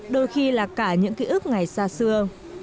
đôi khi là cả những ký ức ngày xa xưa